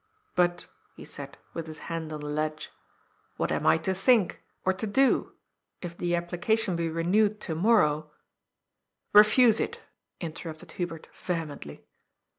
'' But," he said, with his hand on the ledge, *^ what am I to think? Or to do? If the application be renewed to morrow "" Bef use it," interrupted Hubert vehemently.